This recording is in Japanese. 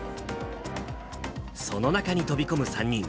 その中に飛び込む３人。